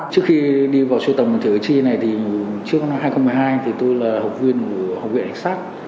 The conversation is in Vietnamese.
trước khi đi vào siêu tầm của thẻ cử tri này trước năm hai nghìn một mươi hai tôi là học viên của học viện xác